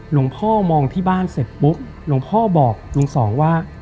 หลวงพ่อมองที่บ้านเสร็จปุ๊บหลวงพ่อบอกลุงสองว่า